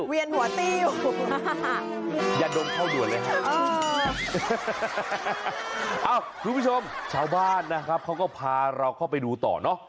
เอ้าคุณผู้ชมชาวบ้านนะครับเขาก็พาเราเข้าไปดูต่อเนาะ